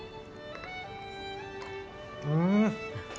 うん！